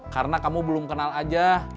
karena kamu belum kenal aja